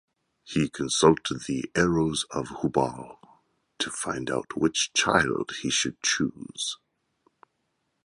He consulted the arrows of Hubal to find out which child he should choose.